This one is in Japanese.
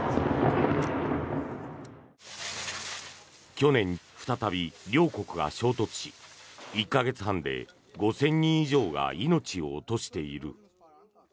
去年、再び両国が衝突し１か月半で５０００人以上が命を落としている。